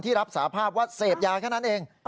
รับสาภาพว่าเสพยาแค่นั้นเอง